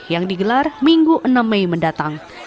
yang digelar minggu enam mei mendatang